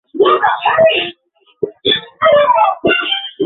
সাহায্যের প্রয়োজন হলে আমি ফোন করব।